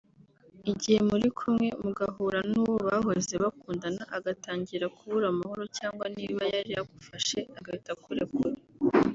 Igihe muri kumwe mugahura n’uwo bahoze bakundana agatangira kubura amahoro cyangwa niba yari agufashe agahita akurekura